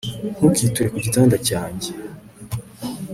ntukiture kugitanda cyanjye